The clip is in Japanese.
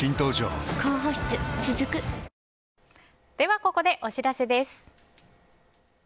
ここでお知らせです。